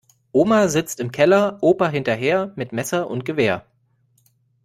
Oma sitzt im Keller, Opa hinterher, mit Messer und Gewehr.